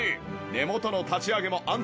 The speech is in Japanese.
根元の立ち上げも安全。